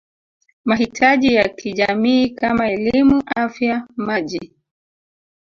mahitaji ya kijamii kama elimu Afya Maji